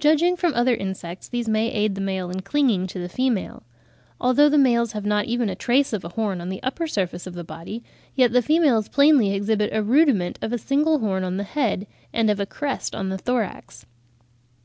Judging from other insects, these may aid the male in clinging to the female. Although the males have not even a trace of a horn on the upper surface of the body, yet the females plainly exhibit a rudiment of a single horn on the head (Fig. 22, a), and of a crest (b) on the thorax.